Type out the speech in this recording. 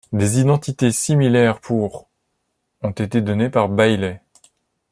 Des identités similaires pour ψ ont été données par Bailey.